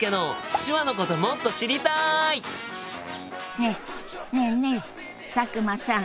ねえねえねえ佐久間さん。